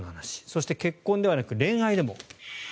そして結婚ではなく恋愛でも。